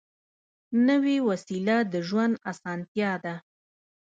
نوې وسیله د ژوند اسانتیا ده